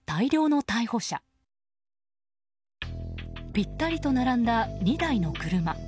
ぴったりと並んだ２台の車。